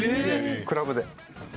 クラブで。